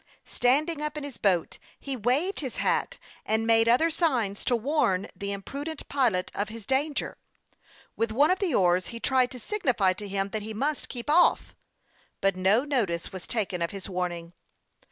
Standing up in his boat, he waved his hat, and made other signs to warn the imprudent pilot of his danger. With one of the oars he tried to sig nify to him that he must keep off; but no notice Avas taken of his warning.